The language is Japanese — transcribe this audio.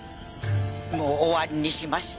もう終わりにしましょう。